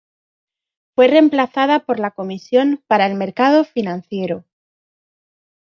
Fue reemplazada por la Comisión para el Mercado Financiero.